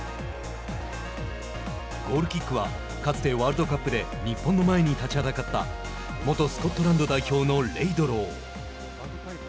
ゴールキックはかつてワールドカップで日本の前に立ちはだかった元スコットランド代表のレイドロー。